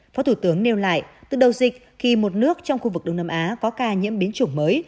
phó thủ tướng nêu lại từ đầu dịch khi một nước trong khu vực đông nam á có ca nhiễm biến chủng mới